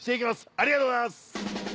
ありがとうございます！